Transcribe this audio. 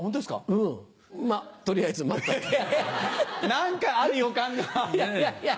何かある予感が。ねぇ。